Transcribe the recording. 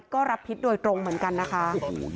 ก็รับพิษโดยตรงเหมือนกันนะคะ